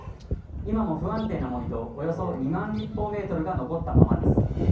今も不安定な盛り土およそ２万立方メートルが残ったままです